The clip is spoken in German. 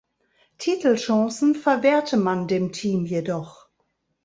Titelchancen verwehrte man dem Team jedoch.